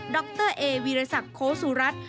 ดรเอวิรสักฯโค้ศุรัตน์